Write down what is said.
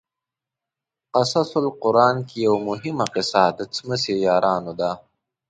قصص القران کې یوه مهمه قصه د څمڅې یارانو ده.